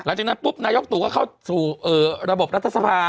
หลังจากนั้นปุ๊บนายกตู่ก็เข้าสู่ระบบรัฐสภา